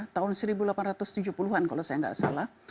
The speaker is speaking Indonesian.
tahun seribu delapan ratus tujuh puluh an kalau saya nggak salah